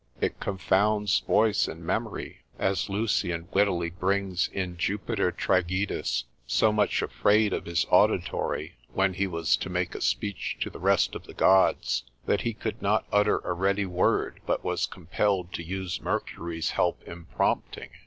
It confounds voice and memory, as Lucian wittily brings in Jupiter Tragoedus, so much afraid of his auditory, when he was to make a speech to the rest of the Gods, that he could not utter a ready word, but was compelled to use Mercury's help in prompting.